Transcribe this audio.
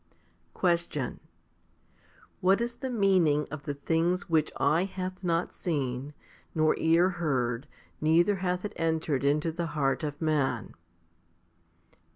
17. Question. What is the meaning of the things which eye hath not seen, nor ear heard, neither hath it entered into the heart of man